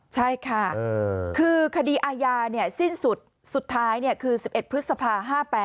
ใช่ค่ะคือคดีอาญาสิ้นสุดสุดท้ายคือ๑๑พฤษภา๕๘